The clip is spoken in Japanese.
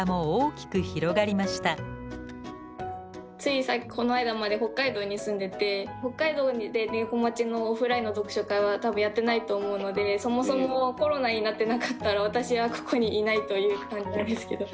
ついこの間まで北海道に住んでて北海道で猫町のオフラインの読書会は多分やってないと思うのでそもそもコロナになってなかったら私はここにいないという感じなんですけど。